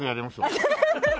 アハハハ！